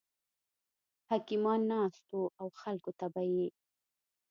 حکیمان ناست وو او خلکو ته به یې